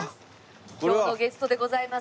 今日のゲストでございます。